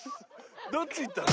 どっち行ったの？